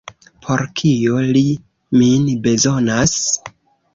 Por kio li min bezonas?